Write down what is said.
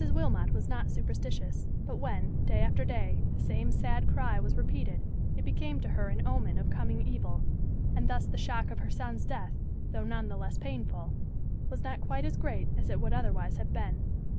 Wilmot was not superstitious; but when, day after day, the same sad cry was repeated, it became to her an omen of coming evil; and thus the shock of her son's death, though none the less painful, was not quite as great as it would otherwise have been.